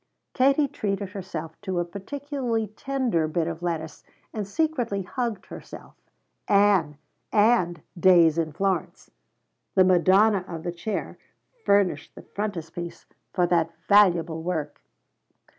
Katie treated herself to a particularly tender bit of lettuce and secretly hugged herself, Ann, and "Days in Florence." The Madonna of the Chair furnished the frontispiece for that valuable work.